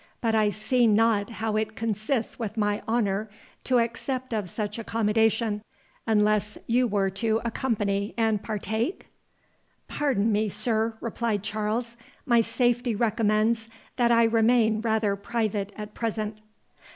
But I see not how it consists with my honour to accept of such accommodation, unless you were to accompany and partake?" "Pardon me, sir," replied Charles, "my safety recommends that I remain rather private at present."